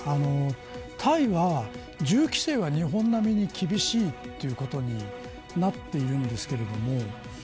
タイは銃規制は日本並みに厳しいということになっているんですけれども。